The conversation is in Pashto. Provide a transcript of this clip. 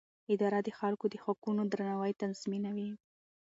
اداره د خلکو د حقونو درناوی تضمینوي.